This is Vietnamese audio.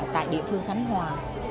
tại địa phương khánh hòa